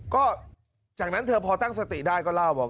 ก็จากนั้นเธอพอตั้งสติได้ก็เล่าบอก